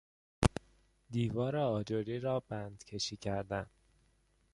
دیوار آجری را بند کشی کردن